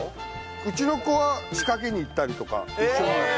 うちの子は仕掛けに行ったりとか一緒に。